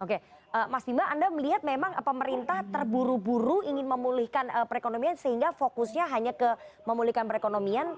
oke mas bima anda melihat memang pemerintah terburu buru ingin memulihkan perekonomian sehingga fokusnya hanya ke memulihkan perekonomian